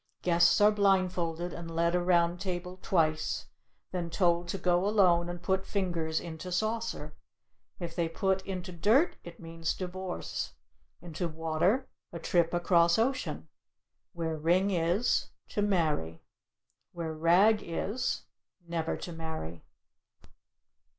Guests are blindfolded and led around table twice; then told to go alone and put fingers into saucer. If they put into dirt, it means divorce; into water, a trip across ocean; where ring is, to marry; where rag is, never to marry.